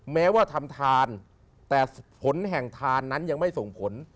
แม้ว่าทำทานแต่ผลแห่งทานนั้นยังไม่ส่งผล